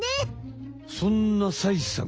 そんなサイさん